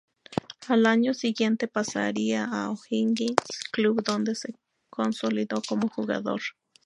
Al año siguiente pasaría a O'Higgins, club donde se consolidó como jugador.